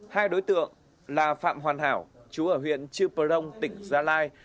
hai đối tượng là phạm hoàn hảo chú ở huyện chư pờ đông tỉnh gia lai